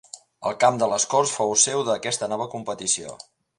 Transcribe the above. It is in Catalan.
El camp de les Corts fou seu d'aquesta nova competició.